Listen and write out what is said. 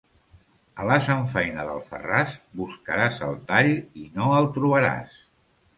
A la samfaina d'Alfarràs buscaràs el tall i no el trobaràs.